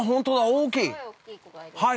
大きい